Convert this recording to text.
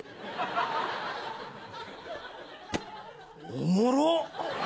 おもろ！